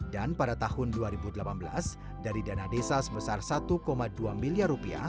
dan pada tahun dua ribu delapan belas dari dana desa sebesar rp satu dua miliar